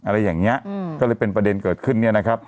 อะไรอย่างนี้ก็เลยเป็นประเด็นเกิดขึ้น